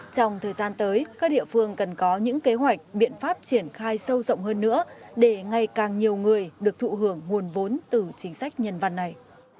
trong thời gian tới các địa phương cần có những kế hoạch biện pháp triển khai sâu rộng hơn nữa để ngày càng nhiều người được thụ hưởng nguồn vốn từ chính sách nhân văn này